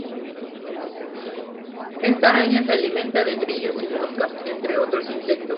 Esta araña se alimenta de grillos y moscas, entre otros insectos.